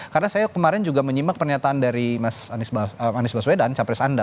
karena saya kemarin juga menyimak pernyataan dari mas anies baswedan capres anda